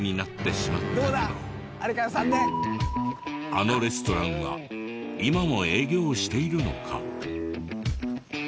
あのレストランは今も営業しているのか？